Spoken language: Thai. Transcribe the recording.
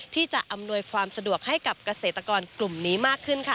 ที่จะอำนวยความสะดวกให้กับเกษตรกรกลุ่มนี้มากขึ้นค่ะ